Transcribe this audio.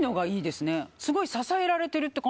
すごい支えられてるって感じで。